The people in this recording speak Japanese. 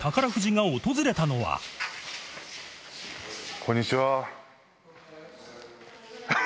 こんにちは。